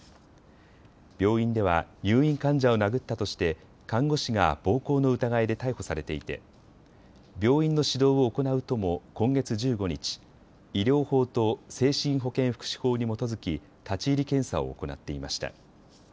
病院では入院患者を殴ったとして看護師が暴行の疑いで逮捕されていて病院の指導を行う都も今月１５日、医療法と精神保健福祉法に基づき立ち入り検査を行っていました。